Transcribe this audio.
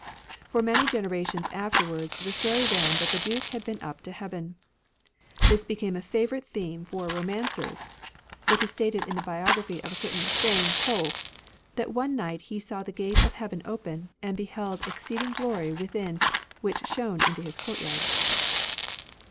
For many generations afterwards the story ran that the Duke had been up to Heaven. This became a favourite theme for romancers It is stated in the biography of a certain Feng Po that " one night he saw the gate of heaven open, and beheld exceeding glory within, which shone into his courtyard."